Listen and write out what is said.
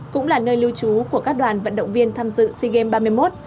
cũng là nơi lưu trú của các đoàn vận động viên tham dự sea games ba